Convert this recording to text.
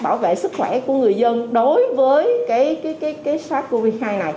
bảo vệ sức khỏe của người dân đối với sars cov hai này